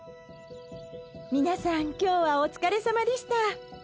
皆さん今日はお疲れさまでした。